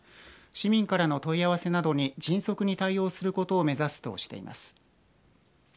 市民からの問い合わせなどに迅速に対応することを目指すとしています。